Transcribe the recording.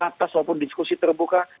atas maupun diskusi terbuka